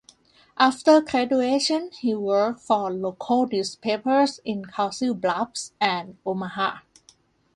After graduation he worked for local newspapers in Council Bluffs and Omaha.